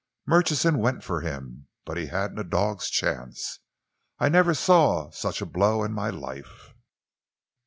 "Murchison went for him, but he hadn't a dog's chance. I never saw such a blow in my life.